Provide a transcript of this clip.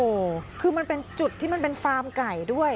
โอ้โหคือมันเป็นจุดที่มันเป็นฟาร์มไก่ด้วย